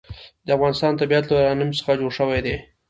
د افغانستان طبیعت له یورانیم څخه جوړ شوی دی.